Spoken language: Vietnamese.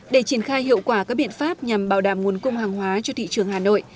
để triển khai hiệu quả các biện pháp nhằm bảo đảm nguồn cung hàng hóa cho thị trường hà nội